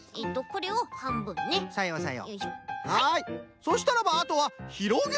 そうしたらばあとはひろげるだけ！